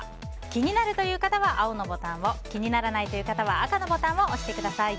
気になるという方は青のボタンを気にならないという方は赤のボタンを押してください。